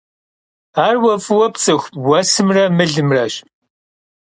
Ar vue f'ıue pts'ıxu vuesımre mılımreş.